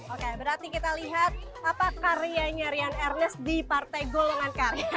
oke berarti kita lihat apa karyanya rian ernest di partai golongan karya